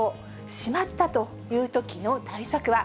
しまったというときの対策は？